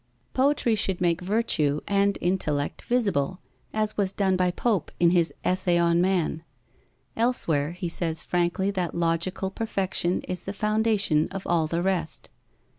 Poetry should make virtue and intellect visible, as was done by Pope in his Essay on Man. Elsewhere, he says frankly that logical perfection is the foundation of all the rest.